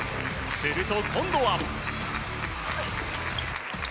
すると今度は。